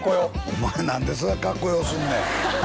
お前何でそんなかっこようすんねん